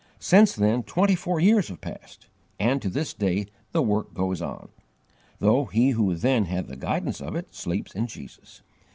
Since then twenty four years have passed, and to this day the work goes on, though he who then had the guidance of it sleeps in Jesus.